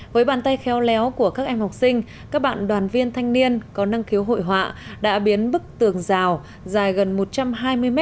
với bàn tay khéo léo của các em học sinh các bạn đoàn viên thanh niên có năng khiếu hội họa đã biến bức tường rào dài gần một trăm hai mươi mét bị rêu mốc bao phủ quanh năm